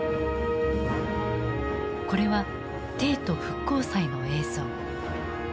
これは「帝都復興祭」の映像。